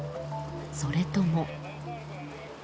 それとも。